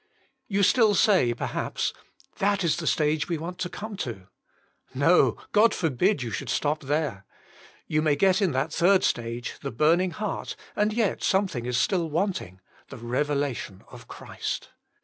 You still say perhaps :That is the stage we want to come to." No ; God forbid you should stop there. You may get in that third stage — the burn ing hearii — and yet something is still wanting — the revelation of Christ.